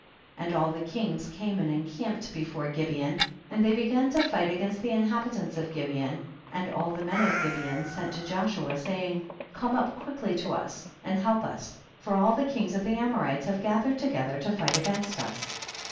58. And all these kings came and encamped before Gibeon, and they began to fight against the inhabitants of Gibeon, and all the men of Gibeon sent to Joshua, saying, come up quickly to us and help us, for all the kings of the Amorites have gathered together to fight against us.